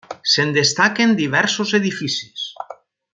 Se'n destaquen diversos edificis.